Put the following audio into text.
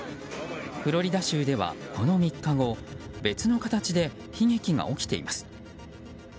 フロリダ州ではこの３日後別の形で悲劇が起きています。